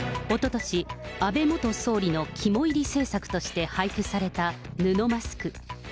おととし、安倍元総理の肝煎り政策として配布された布マスク。